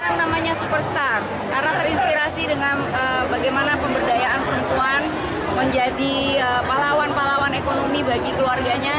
yang namanya superstar karena terinspirasi dengan bagaimana pemberdayaan perempuan menjadi pahlawan pahlawan ekonomi bagi keluarganya